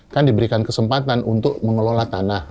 kan diberikan kesempatan untuk mengelola tanah